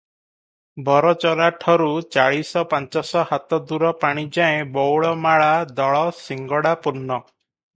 ବରଚରାଠରୁ ଚାଳିଶ ପାଞ୍ଚଶ ହାତ ଦୂର ପାଣିଯାଏ ବଉଳମାଳା ଦଳ ଶିଙ୍ଗଡ଼ା ପୂର୍ଣ୍ଣ ।